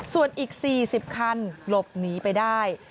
ส่วนอีก๔๐คันหลบหนีไปได้